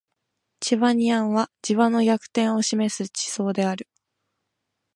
チバニアンは磁場の逆転を示す地層である